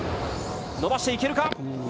伸ばしていけるか。